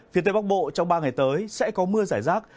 phía tây bắc bộ trong ba ngày tới sẽ có mưa giải rác